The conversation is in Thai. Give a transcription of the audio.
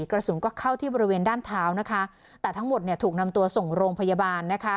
กระสุนก็เข้าที่บริเวณด้านเท้านะคะแต่ทั้งหมดเนี่ยถูกนำตัวส่งโรงพยาบาลนะคะ